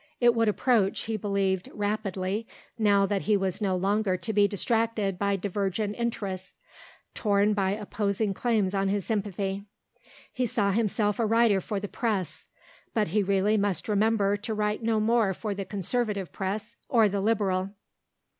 It would approach, he believed, rapidly, now that he was no longer to be distracted by divergent interests, torn by opposing claims on his sympathy. He saw himself a writer for the press (but he really must remember to write no more for the Conservative press, or the Liberal).